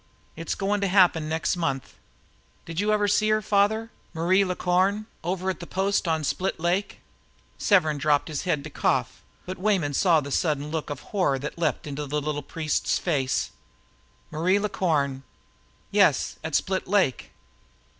It's goin' to happen next month. Did you ever see her, father Marie La Corne, over at the post on Split Lake?" Severn dropped his head to cough, but Weyman say the sudden look of horror that leaped into the little priest's face. "Marie La Corne!" "Yes, at Split Lake."